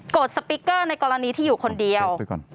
สปิ๊กเกอร์ในกรณีที่อยู่คนเดียว